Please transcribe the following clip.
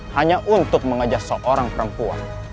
hanya untuk mengajak seorang perempuan